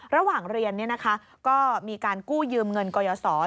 ระหว่างเรียนก็มีการกู้ยืมเงินกยศร